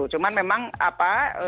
cuman memang apa